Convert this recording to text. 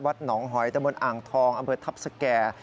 วัดหนองหอยตะบนอ่างทองอำเภอทัพสเกียร์